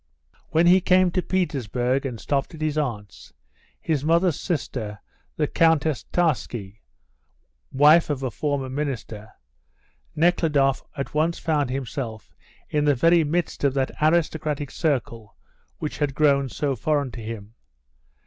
When he came to Petersburg and stopped at his aunt's his mother's sister, the Countess Tcharsky, wife of a former minister Nekhludoff at once found himself in the very midst of that aristocratic circle which had grown so foreign to him.